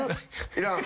「いらん」